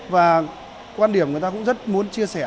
và quan điểm người ta cũng rất muốn chia sẻ